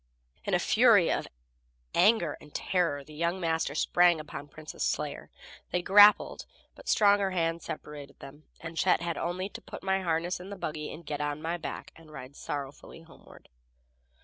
In a fury of anger and terror the young master sprang upon Prince's slayer. They grappled, but strong hands separated them, and Chet had only to put my harness in the buggy, get on my back and ride sorrowfully homeward.